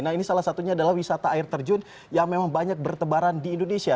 nah ini salah satunya adalah wisata air terjun yang memang banyak bertebaran di indonesia